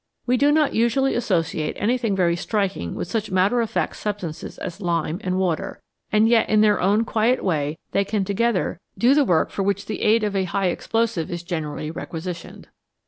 We do not usually associate anything very striking with such matter of fact substances as lime and water, and yet in their own quiet way they can together do the work for which the aid of a high explosive is generally requisitioned.